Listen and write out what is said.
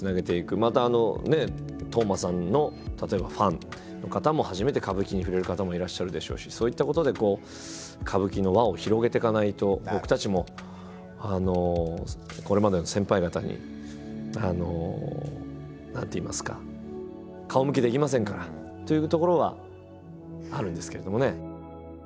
また斗真さんの例えばファンの方も初めて歌舞伎に触れる方もいらっしゃるでしょうしそういったことで歌舞伎の輪を広げていかないと僕たちもこれまでの先輩方に何ていいますか顔向けできませんからというところがあるんですけれどもね。